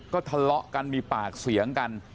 ก็ทะเลาะกันมีปากเสียงกัน